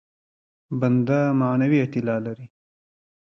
بنده معنوي اعتلا لري.